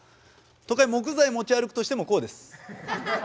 都会木材持ち歩くとしてもこうです。